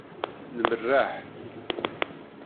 Nmerreḥ.